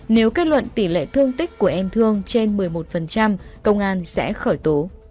nếu kết luận tỷ lệ thương tích của em thương trên một mươi một công an sẽ khởi tố